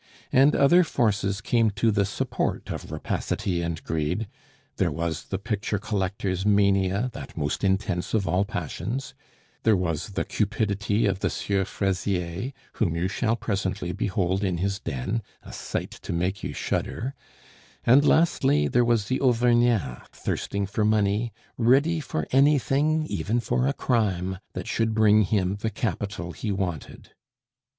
And other forces came to the support of rapacity and greed; there was the picture collector's mania, that most intense of all passions; there was the cupidity of the Sieur Fraisier, whom you shall presently behold in his den, a sight to make you shudder; and lastly, there was the Auvergnat thirsting for money, ready for anything even for a crime that should bring him the capital he wanted.